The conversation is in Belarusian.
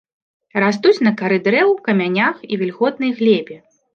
Растуць на кары дрэў, камянях і вільготнай глебе.